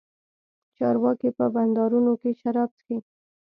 چارواکي په بنډارونو کښې شراب چښي.